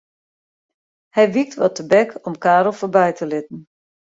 Hy wykt wat tebek om Karel foarby te litten.